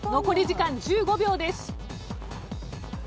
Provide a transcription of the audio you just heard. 残り時間１５秒です。